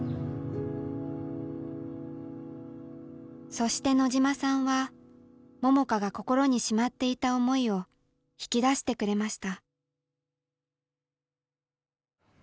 そして野島さんは桃佳が心にしまっていた思いを引き出してくれました。